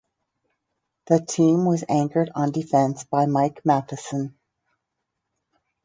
The team was anchored on defence by Mike Matheson.